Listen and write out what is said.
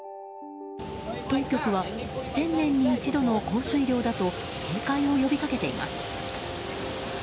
当局は１０００年に一度の降水量だと警戒を呼びかけています。